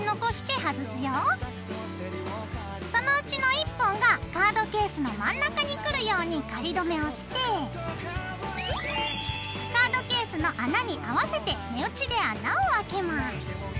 そのうちの１本がカードケースの真ん中にくるように仮止めをしてカードケースの穴に合わせて目打ちで穴をあけます。